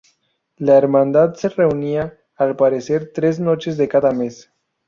La hermandad se reunía, al parecer, tres noches de cada mes.